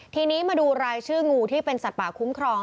ทีนี้มาดูรายชื่องูที่เป็นสัตว์ป่าคุ้มครอง